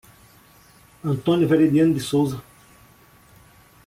Antônio Veridiano de Souza